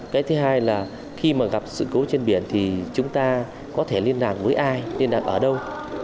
cái thứ hai là khi mà gặp sự cố trên biển thì chúng ta có thể liên lạc với ai liên lạc ở đâu